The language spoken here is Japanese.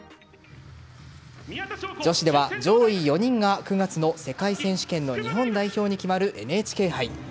女子では上位４人が９月の世界選手権の日本代表に決まるＮＨＫ杯。